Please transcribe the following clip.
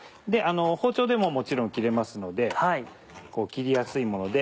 包丁でももちろん切れますので切りやすいもので。